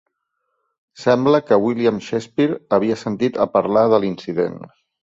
Sembla que William Shakespeare havia sentit a parlar de l'incident.